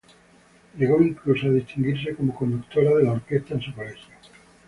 Llegó incluso, a distinguirse como conductora de la orquesta en su colegio.